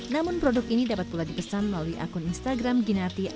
namun produk ini dapat pula dipesan melalui akun instagram ginarti underscore garden